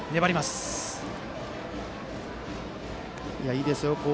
いいですよ。